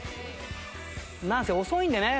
なんせ遅いんでね。